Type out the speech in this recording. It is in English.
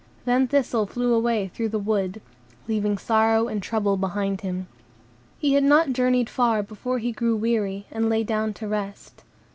Then Thistle flew away through the wood, leaving sorrow and trouble behind him. He had not journeyed far before he grew weary, and lay down to rest.